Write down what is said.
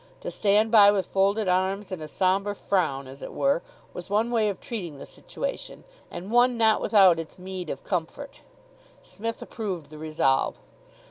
To stand by with folded arms and a sombre frown, as it were, was one way of treating the situation, and one not without its meed of comfort. Psmith approved the resolve.